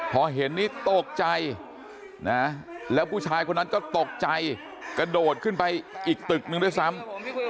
พอเห็นนี่ตกใจนะแล้วผู้ชายคนนั้นก็ตกใจกระโดดขึ้นไปอีกตึกนึงด้วยซ้ำ